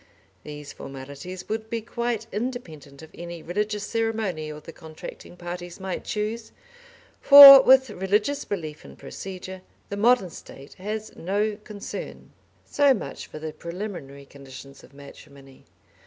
These formalities would be quite independent of any religious ceremonial the contracting parties might choose, for with religious belief and procedure the modern State has no concern. So much for the preliminary conditions of matrimony.